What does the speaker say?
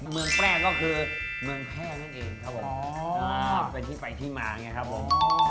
เมืองแรกก็คือเมืองแพร่นั่นเองครับผมอ๋อเป็นที่ไปที่มาไงครับผม